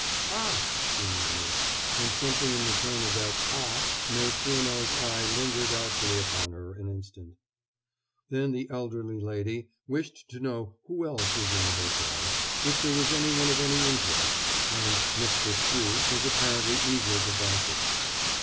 "Ah!" she murmured, and something in the tone of that "Ah!" made Furneaux's eye linger doubtfully upon her an instant. Then the elderly lady wished to know who else was in the hotel, if there was anyone of any interest, and "Mr. Pugh" was apparently eager to gossip.